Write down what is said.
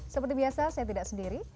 seperti biasa saya tidak sendiri